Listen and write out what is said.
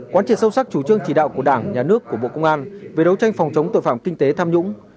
quán triệt sâu sắc chủ trương chỉ đạo của đảng nhà nước của bộ công an về đấu tranh phòng chống tội phạm kinh tế tham nhũng